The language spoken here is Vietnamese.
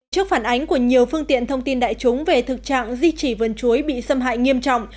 trước phản ánh của nhiều phương tiện thông tin đại chúng về thực trạng di trì vườn chuối bị xâm hại nghiêm trọng